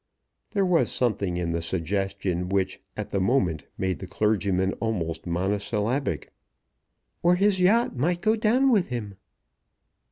There was something in the suggestion which at the moment made the clergyman almost monosyllabic. "Or his yacht might go down with him."